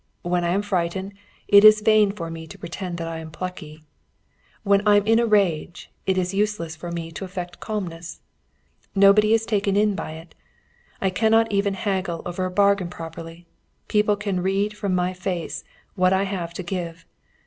When I am frightened, it is vain for me to pretend that I am plucky. When I'm in a rage, it is useless for me to affect calmness nobody is taken in by it. I cannot even haggle over a bargain properly, people can read from my face what I have to give.